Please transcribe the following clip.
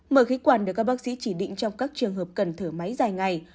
mở khí quản được các bác sĩ chỉ định trong các trường hợp cần thở máy dài ngày